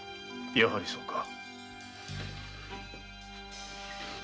やはりそうか。